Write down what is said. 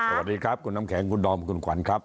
สวัสดีครับคุณน้ำแข็งคุณดอมคุณขวัญครับ